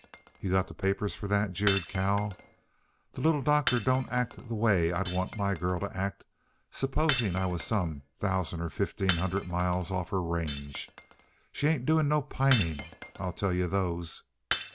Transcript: "You got the papers for that?" jeered Cal. "The Little Doctor don't act the way I'd want my girl t' act, supposin' I was some thousand or fifteen hundred miles off her range. She ain't doing no pining, I tell yuh those."